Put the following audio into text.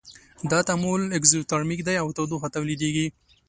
دا تعامل اکزوترمیک دی او تودوخه تولیدیږي.